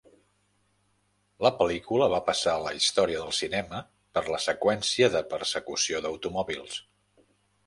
La pel·lícula va passar a la història del cinema per la seqüència de persecució d'automòbils.